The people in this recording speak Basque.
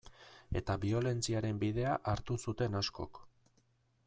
Eta biolentziaren bidea hartu zuten askok.